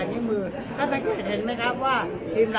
อันนี้คือ๑จานที่คุณคุณค่อยอยู่ด้านข้างข้างนั้น